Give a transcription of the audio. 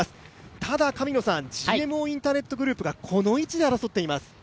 ただ、ＧＭＯインターネットグループがこの位置で争っています。